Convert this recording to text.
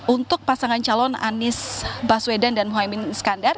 untuk pasangan calon anies baswedan dan muhaymin iskandar